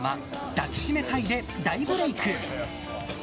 「抱きしめたい！」で大ブレーク。